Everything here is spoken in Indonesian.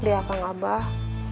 ya akang abah